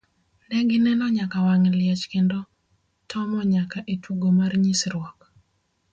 Ne gineno nyaka wang' liech kendo tomo nyaka e tugo mar nyisruok.